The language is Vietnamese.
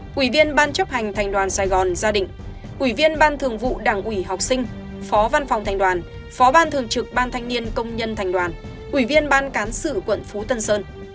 quỹ viên ban chấp hành thành đoàn sài gòn gia đình ủy viên ban thường vụ đảng ủy học sinh phó văn phòng thành đoàn phó ban thường trực ban thanh niên công nhân thành đoàn ủy viên ban cán sự quận phú tân sơn